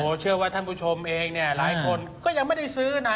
เชื่อว่าท่านผู้ชมเองเนี่ยหลายคนก็ยังไม่ได้ซื้อนะ